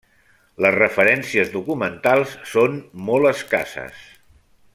Les referències documentals són molt escasses.